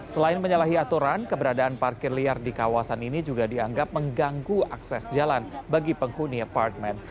selain menyalahi aturan keberadaan parkir liar di kawasan ini juga dianggap mengganggu akses jalan bagi penghuni apartment